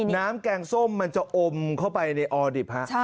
น้ำแกงส้มมันจะอมเข้าไปในอ่อดิบ